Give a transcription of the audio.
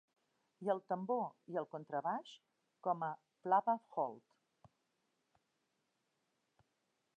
I el tambor i el contrabaix com a Flabba Holt.